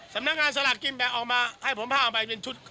สำนักงานสลากกินแบ่งออกมาให้ผม๕ใบเป็นชุด